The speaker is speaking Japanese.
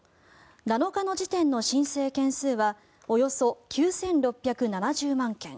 ７日の時点の申請件数はおよそ９６７０万件。